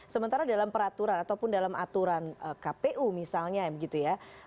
sementara dalam peraturan ataupun dalam aturan kpu misalnya begitu ya